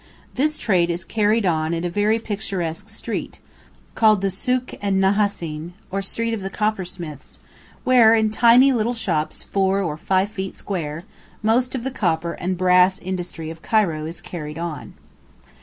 This trade is carried on in a very picturesque street, called the "Sûk en Nahassīn," or street of the coppersmiths, where in tiny little shops 4 or 5 feet square, most of the copper and brass industry of Cairo is carried on.